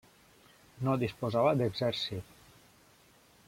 No disposava d'exèrcit.